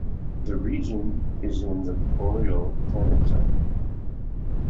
The region is in the boreal climate zone.